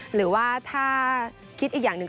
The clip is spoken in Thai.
หรือว่าถ้าคิดอีกอย่างหนึ่ง